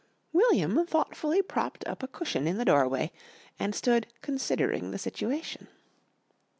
William thoughtfully propped up a cushion in the doorway and stood considering the situation.